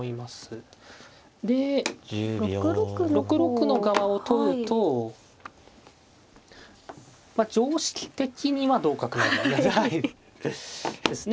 ６六の側を取るとまあ常識的には同角成ですね。